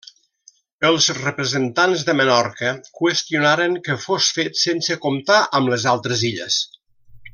Els representants de Menorca qüestionaren que fos fet sense comptar amb les altres illes.